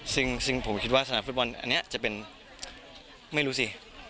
ซึ่งผมคิดว่าสนามฟุตบอลอันนี้จะเป็นไม่รู้สิ